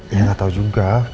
ya nggak tau juga